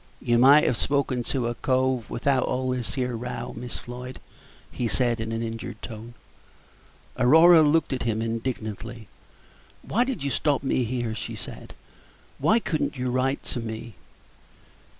"You might have spoken to a cove without all this here row, Miss Floyd," he said, in an injured tone. Aurora looked at him indignantly. "Why did you stop me here?" she said; "why could n't you write to me?"